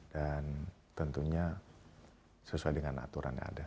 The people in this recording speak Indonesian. tentunya sesuai dengan aturan yang ada